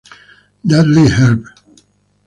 Dudley Herb.